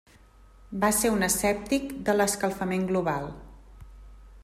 Va ser un escèptic de l'escalfament global.